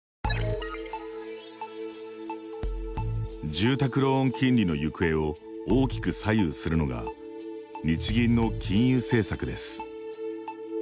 住宅ローン金利の行方を大きく左右するのが日銀の金融政策です。